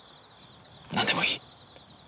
なんでもいい。